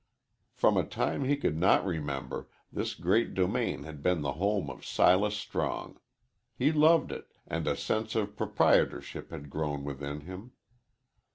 From a time he could not remember, this great domain had been the home of Silas Strong. He loved it, and a sense of proprietorship had grown within him.